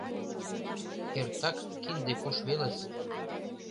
Эртак кинде пуш велыс!